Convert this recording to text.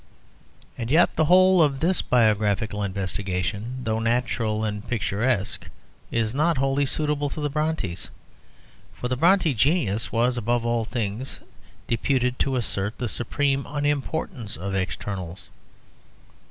And yet the whole of this biographical investigation, though natural and picturesque, is not wholly suitable to the Brontës. For the Brontë genius was above all things deputed to assert the supreme unimportance of externals.